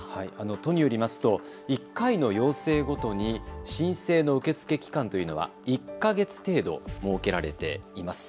都によりますと１回の要請ごとに申請の受け付け期間というのは１か月程度設けられています。